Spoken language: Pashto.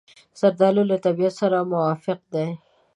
زردالو له طبیعت سره موافق دی.